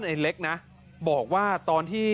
ไอ้เล็กนะบอกว่าตอนที่